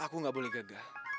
aku gak boleh gagah